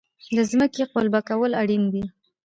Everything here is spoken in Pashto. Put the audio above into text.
د ځمکې قلبه کول اړین دي.